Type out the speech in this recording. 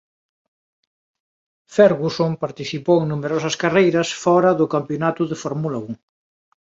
Ferguson participou en numerosas carreiras fora do campionato de Fórmula Un.